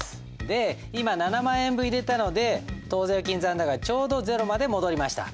で今７万円分入れたので当座預金残高がちょうどゼロまで戻りました。